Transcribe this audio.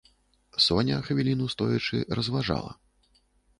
Соня, хвіліну стоячы, разважала.